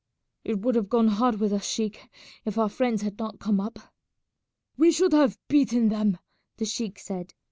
"It would have gone hard with us, sheik, if our friends had not come up." "We should have beaten them," the sheik said.